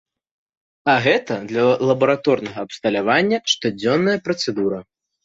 А гэта для лабараторнага абсталявання штодзённая працэдура.